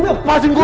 udah lepasin gue